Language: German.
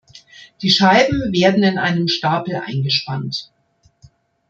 Die Scheiben werden in einem Stapel eingespannt.